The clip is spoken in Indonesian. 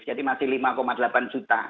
jadi masih lima delapan juta